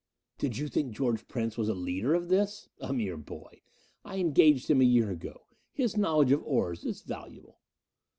"Did you think George Prince was a leader of this? A mere boy. I engaged him a year ago his knowledge of ores is valuable."